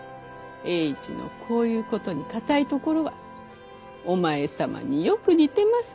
栄一のこういうことに堅いところはお前様によく似てますねぇ。